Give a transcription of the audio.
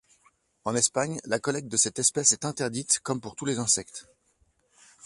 En Espagne, la collecte de cette espèce est interdite, comme pour tous les insectes.